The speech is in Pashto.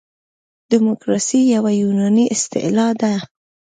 دموکراسي یوه یوناني اصطلاح ده.